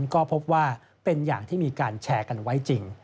ก็พบว่าเป็นอย่างที่มีการแชร์กันไว้จริง